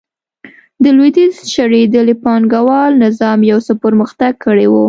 د لوېدیځ شړېدلي پانګوال نظام یو څه پرمختګ کړی و.